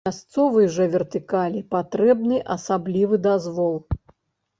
Мясцовай жа вертыкалі патрэбны асаблівы дазвол.